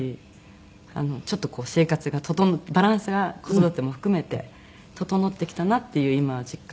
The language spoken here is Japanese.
ちょっと生活が整うバランスが子育ても含めて整ってきたなっていう今は実感。